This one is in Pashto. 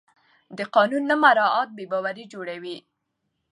د قانون نه مراعت بې باوري جوړوي